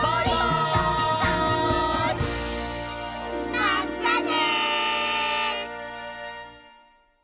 まったね！